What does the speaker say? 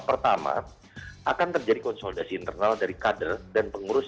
pertama akan terjadi konsolidasi internal dari kader dan pengurus